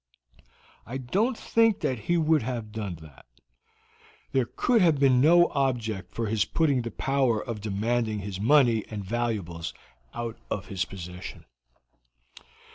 "I don't think that he would have done that; there could have been no object for his putting the power of demanding his money and valuables out of his possession."